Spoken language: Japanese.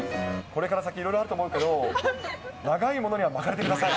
これから先、いろいろあると思うけど、長いものには巻かれてください。